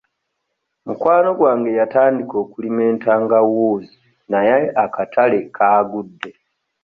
Mukwano gwange yatandika okulima entangawuuzi naye akatale kaagudde.